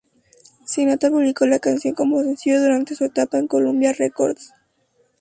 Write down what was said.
Sinatra publicó la canción como sencillo durante su etapa en Columbia Records.